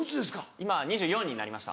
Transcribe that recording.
今２４になりました。